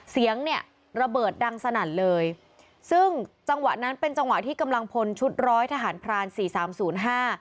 เสียงเนี่ยระเบิดดังสนั่นเลยซึ่งจังหวะนั้นเป็นจังหวะที่กำลังพลชุดร้อยทหารพรานสี่สามศูนย์ห้า